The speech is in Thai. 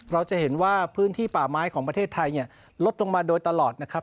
เราจะเห็นว่าพื้นที่ป่าไม้ของประเทศไทยเนี่ยลดลงมาโดยตลอดนะครับ